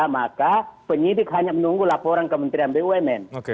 maka penyidik hanya menunggu laporan kementerian bumn